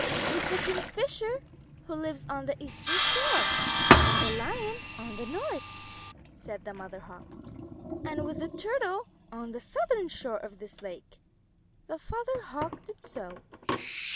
"With the Kingfisher, who lives on the eastern shore, and with the Lion on the north," said the Mother Hawk, "and with the Turtle who lives on the southern shore of this lake." The Father Hawk did so.